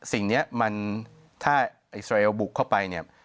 สิ่งนี้มันถ้าอิสราเอลบุกเข้าไปเนี่ย